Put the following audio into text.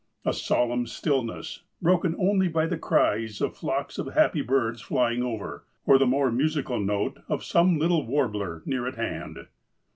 A solemn stillness, broken only by the cries of flocks of happy birds flying over, or the more musical note of some little warbler near at hand."